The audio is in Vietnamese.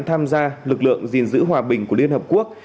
tham gia lực lượng gìn giữ hòa bình của liên hợp quốc